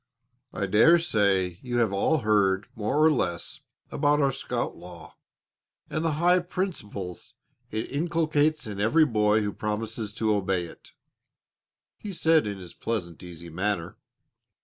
"I dare say you have all heard more or less about our scout law and the high principles it inculcates in every boy who promises to obey it," he said in his pleasant, easy manner.